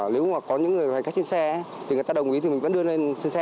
nếu mà có những người gây tai nạn trên xe thì người ta đồng ý thì mình vẫn đưa lên trên xe